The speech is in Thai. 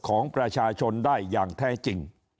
ของประชาชนได้อย่างแท้จริง